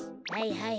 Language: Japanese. はい